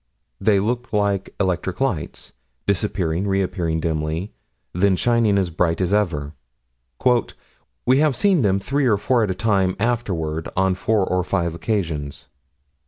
They looked like electric lights disappearing, reappearing dimly, then shining as bright as ever. "We have seen them three or four at a time afterward, on four or five occasions."